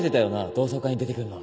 同窓会に出てくるの。